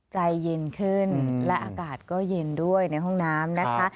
ใจเย็นขึ้นและอากาศก็เย็นด้วยในห้องน้ำนะคะ